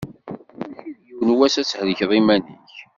Mačči d yiwen wass ad thelkeḍ iman-ik.